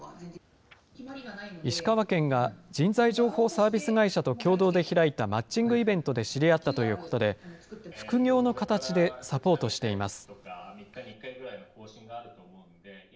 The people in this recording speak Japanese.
石川県が、人材情報サービス会社と共同で開いたマッチングイベントで知り合ったということで、副業の形でサポートしています。